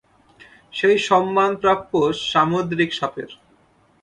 সেই সন্মান প্রাপ্য সামুদ্রিক সাপের।